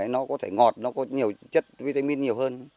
nó có thể ngọt nó có nhiều chất vitamin nhiều hơn